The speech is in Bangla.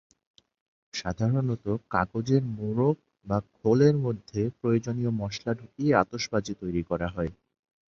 সাধারণত কাগজের মোড়ক বা খোলের মধ্যে প্রয়োজনীয় মসলা ঢুকিয়ে আতশবাজি তৈরি করা হয়।